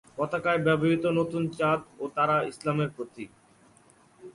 পতাকায় ব্যবহৃত নতুন চাঁদ ও তারা ইসলামের প্রতীক।